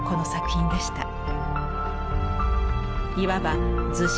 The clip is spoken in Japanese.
いわば「図式」